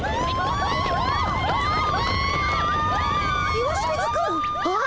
石清水くんあっ！